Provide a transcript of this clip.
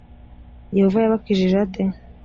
yehova yabakijije ate